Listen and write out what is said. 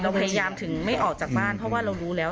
พยายามถึงไม่ออกจากบ้านเพราะว่าเรารู้แล้ว